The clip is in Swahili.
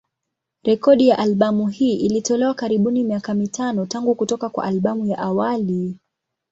Rekodi ya albamu hii ilitolewa karibuni miaka mitano tangu kutoka kwa albamu ya awali.